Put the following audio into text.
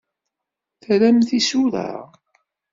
Tramt isura?